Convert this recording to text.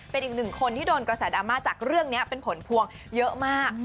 เป็นอีกหนึ่งคนที่โดนกระแสดราม่าจากเรื่องนี้เป็นผลพวงเยอะมาก